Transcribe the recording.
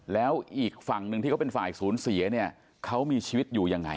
แล้วอีกฝั่งหนึ่งที่เขาเป็นฝ่ายศูนย์เสียเนี่ยเขามีชีวิตอยู่ยังไง